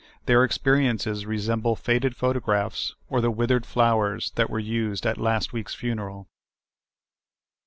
Their experiences resemble faded photo graphs, or the withered flowers that were used at last week's funeral.